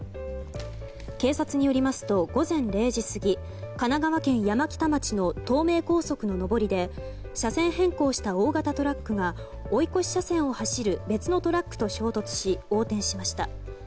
警察によりますと午前０時過ぎ神奈川県山北町の東名高速の上りで車線変更した大型トラックが追い越し車線を走る別のトラックと衝突し横転しました。